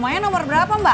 makanya nomor berapa mbak